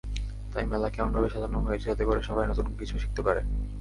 তাই মেলাকে এমনভাবেই সাজানো হয়েছে যাতে করে সবাই নতুন কিছু শিখতে পারে।